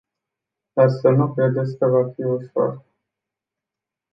Dar să nu credeți că va fi ușor.